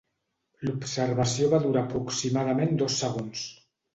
L'observació va durar aproximadament dos segons.